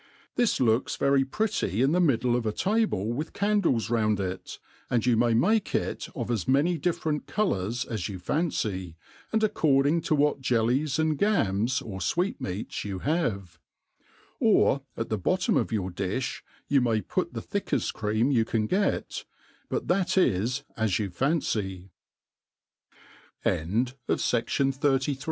This looks very pretty in the middle of a table with candles round it, and you may tnake it of as many different colours as you fancy, and accoMiHg to \vhat jellies and gams, or fweetmeats you have; or at the bottom of your di/b you may put the thickeft cream you can get ; but that is as you